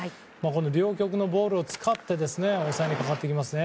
両極のボールを使って抑えにかかっていますね。